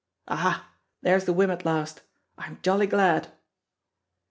Aha! there's the whim at last. I'm jolly glad!"